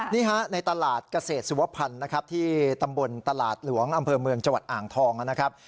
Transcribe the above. นี่ฮะในตลาดเกษตรสุวพันธ์นะครับที่ตำบลตลาดหลวงอำเภอเมืองจังหวัดอ่างทองนะครับ